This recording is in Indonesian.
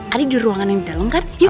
adi di ruangan yang di dalem kan yuk langsung